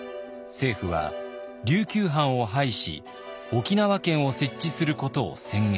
政府は琉球藩を廃し沖縄県を設置することを宣言。